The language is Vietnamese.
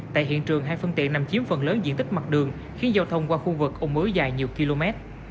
tại hiện trường hai phương tiện nằm chiếm phần lớn diện tích mặt đường khiến giao thông qua khu vực ủng ứ dài nhiều km